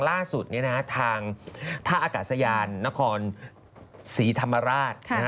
ล่าสุดทางท่าอากาศยานนครศรีธรรมราช